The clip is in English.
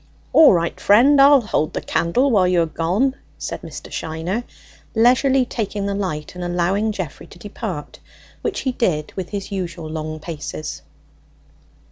"All right, friend; I'll hold the candle whilst you are gone," said Mr. Shiner, leisurely taking the light, and allowing Geoffrey to depart, which he did with his usual long paces.